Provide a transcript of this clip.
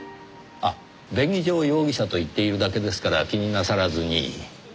あっ便宜上容疑者と言っているだけですから気になさらずに。